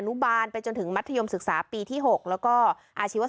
นุบาลไปจนถึงมัธยมศึกษาปีที่๖แล้วก็อาชีว